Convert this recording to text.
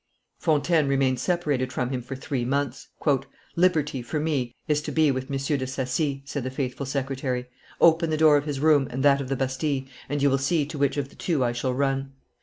Fontaine remained separated from him for three months. "Liberty, for me, is to be with M. de Saci," said the faithful secretary; "open the door of his room and that of the Bastille, and you will see to which of the two I shall run.